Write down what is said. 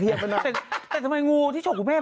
เออแต่ทำไมงูที่โชคแปลก